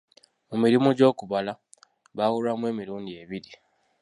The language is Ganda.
Mu mirimo gy'okubala, baawulwamu emirundi ebiri.